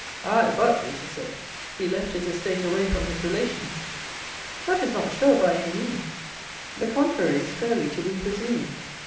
"Aye, but," it is said, "he left his estate away from his relations." That is not sure, by any means. The contrary is fairly to be presumed.